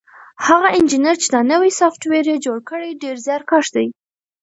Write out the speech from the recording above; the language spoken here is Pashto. هغه انجنیر چې دا نوی سافټویر یې جوړ کړی ډېر زیارکښ دی.